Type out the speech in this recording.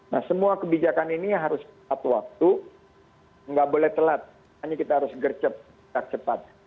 nah semua kebijakan ini harus tepat waktu nggak boleh telat hanya kita harus gercep gerak cepat